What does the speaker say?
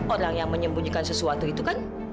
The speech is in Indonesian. orang yang menyembunyikan sesuatu itu kan